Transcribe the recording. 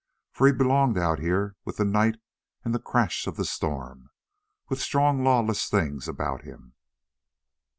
For he belonged out here with the night and the crash of the storm, with strong, lawless things about him.